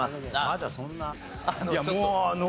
まだそんな。